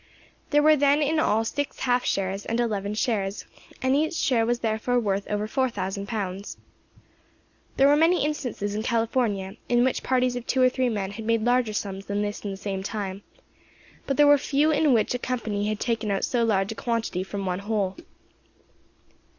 There were then in all six half shares, and eleven shares, and each share was therefore worth over four thousand pounds. There were many instances in California in which parties of two or three men had made larger sums than this in the same time, but there were few in which a company had taken out so large a quantity from one hole.